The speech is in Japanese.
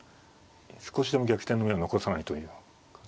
少しでも逆転の芽を残さないという。